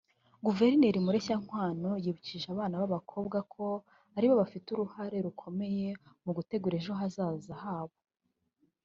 Guverineri Mureshyankwano yibukije abana b’abakobwa ko aribo bafite uruhare rukomeye mu gutegura ejo hazaza habo